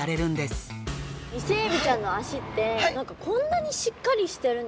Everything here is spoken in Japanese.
イセエビちゃんの脚って何かこんなにしっかりしてるんですね。